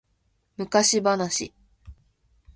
昔話